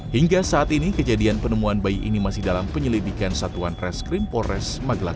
hingga saat ini kejadian penemuan bayi ini masih dalam penyelidikan satuan reskrim polres magelang